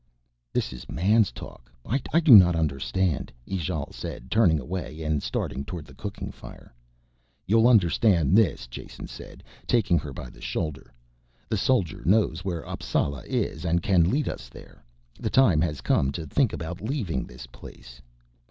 "This is man's talk I do not understand," Ijale said, turning away and starting towards the cooking fire. "You'll understand this," Jason said, taking her by the shoulder. "The soldier knows where Appsala is and can lead us there. The time has come to think about leaving this place."